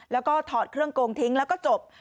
แล้วก็ถอดเครื่องโกงทิ้งแล้วก็จบ